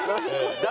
誰？